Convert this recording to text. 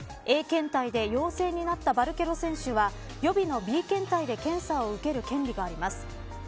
Ａ検体で陽性となったバルケロ選手は予備のＢ検体で検査を受ける権利があります。